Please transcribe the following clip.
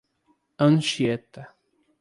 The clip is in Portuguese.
Anchieta